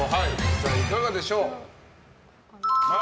実際、いかがでしょう。